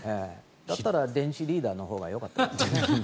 だったら電子リーダーのほうがよかったですね。